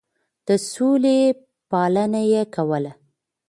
د سولې پالنه يې کوله.